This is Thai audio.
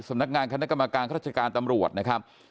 สำนักงานคณะกรรมการราชการตำรวจนะครับ